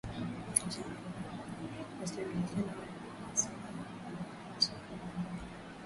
Washambuliaji wasiojulikana waliokuwa na silaha wamewaua wanajeshi kumi na mmoja wa Burkina Faso na kuwajeruhi wengine wanane katika mkoa wa Est